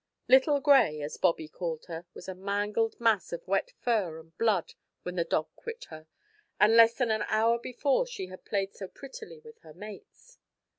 Little Gray (as Bobby called her) was a mangled mass of wet fur and blood when the dog quit her, and less than an hour before she had played so prettily with her mates.